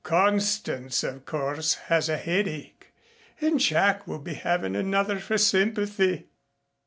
Constance of course has a headache, and Jack will be having another for sympathy."